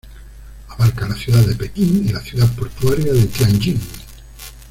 Abarca la ciudad de Pekín y la ciudad portuaria de Tianjin.